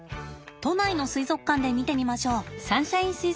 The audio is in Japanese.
都内の水族館で見てみましょう。